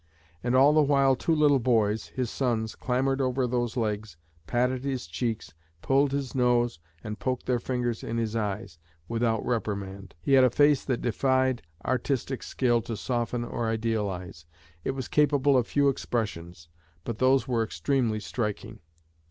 And all the while two little boys, his sons, clambered over those legs, patted his cheeks, pulled his nose, and poked their fingers in his eyes, without reprimand. He had a face that defied artistic skill to soften or idealize. It was capable of few expressions, but those were extremely striking.